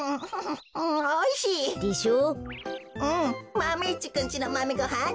マメ１くんちのマメごはん